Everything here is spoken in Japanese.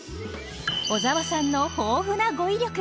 小沢さんの豊富な語彙力。